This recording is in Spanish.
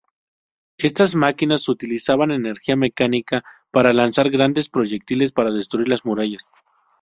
Estas máquinas utilizaban energía mecánica para lanzar grandes proyectiles para destruir las murallas.